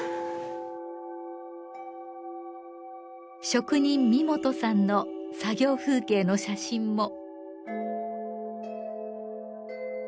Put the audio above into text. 職人三本さんの作業風景の写真も。